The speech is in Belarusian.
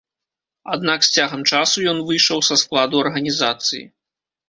Аднак з цягам часу ён выйшаў са складу арганізацыі.